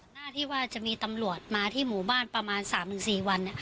หน้าที่ว่าจะมีตำรวจมาที่หมู่บ้านประมาณ๓๔วัน